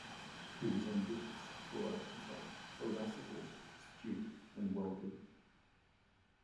He was ambitious, sure of himself, irascible, astute, and worldly.